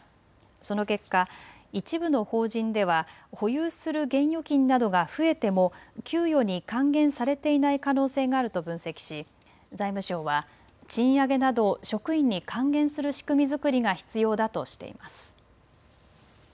その結果、一部の法人では保有する現預金などが増えても給与に還元されていない可能性があると分析し財務省は賃上げなど職員に還元する仕組み作りが必要だとしています。